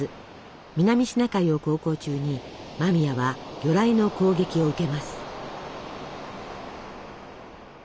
南シナ海を航行中に間宮は魚雷の攻撃を受けます。